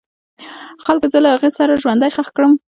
خلکو زه له هغې سره ژوندی خښ کړم.